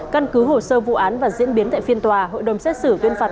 căn cứ hồ sơ vụ án và diễn biến tại phiên tòa hội đồng xét xử tuyên phạt